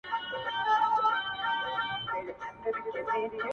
خدای ښايسته دی خدای د لمر مخته تيارې جوړي کړې~